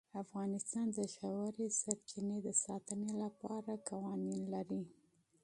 افغانستان د ژورې سرچینې د ساتنې لپاره قوانین لري.